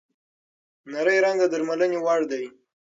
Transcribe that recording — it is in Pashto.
نري رنځ د درملنې وړ دی.